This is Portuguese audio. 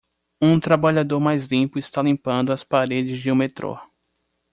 Um trabalhador mais limpo está limpando as paredes de um metrô.